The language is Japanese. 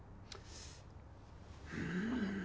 うん。